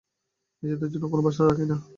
নিজের জন্য কোন বাসনা রাখিও না।